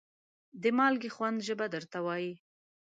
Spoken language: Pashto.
د مالګې خوند ژبه درته وایي.